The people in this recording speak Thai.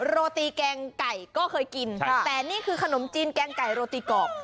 โรตีแกงไก่ก็เคยกินแต่นี่คือขนมจีนแกงไก่โรตีกรอบ